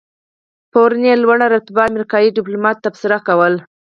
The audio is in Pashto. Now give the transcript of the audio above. پرون یو لوړ رتبه امریکایي دیپلومات تبصره کوله.